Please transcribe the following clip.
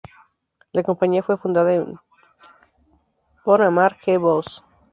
La compañía fue fundada en por Amar G. Bose.